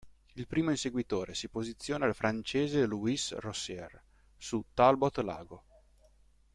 Primo inseguitore si posiziona il francese Louis Rosier su Talbot-Lago.